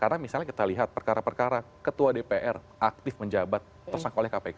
karena misalnya kita lihat perkara perkara ketua dpr aktif menjabat tersangkau oleh kpk